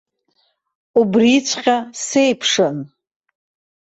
Убриҵәҟьа сеиԥшын.